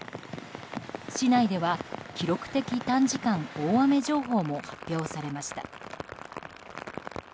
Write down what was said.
市内では記録的短時間大雨情報も発表されました。